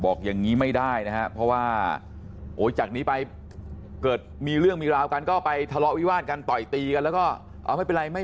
อย่างนี้ไม่ได้นะครับเพราะว่าโอ้จากนี้ไปเกิดมีเรื่องมีราวกันก็ไปทะเลาะวิวาดกันต่อยตีกันแล้วก็เอาไม่เป็นไรไม่